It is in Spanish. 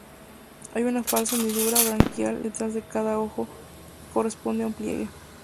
Hay una falsa hendidura branquial detrás de cada ojo, que corresponde a un pliegue.